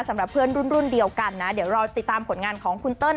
สำหรับเพื่อนรุ่นเดียวกันนะเดี๋ยวรอติดตามผลงานของคุณเติ้ล